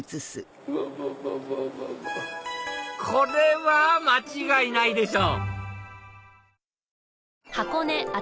これは間違いないでしょ！